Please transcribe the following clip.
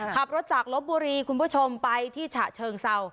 ขับรถจากลบบุรีคุณผู้ชมไปที่ฉะเชิงเศร้า